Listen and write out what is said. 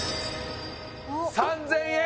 ３０００円！